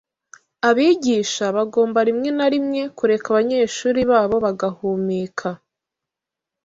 Abigisha bagomba rimwe na rimwe kureka abanyeshuri babo bagahumeka.